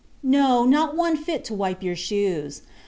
No, not one fit to wipe your shoes.